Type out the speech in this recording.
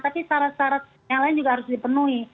tapi syarat syarat yang lain juga harus dipenuhi